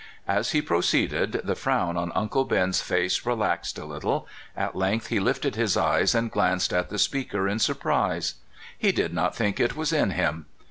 As he proceeded, the frow^n on Uncle Ben's face relaxed a little; at length he Hfted his eyes and glanced at the speak er in surprise. He did not think it was in him.